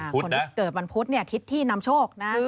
คนที่เกิดวันพุธทิศที่นำโชคนะ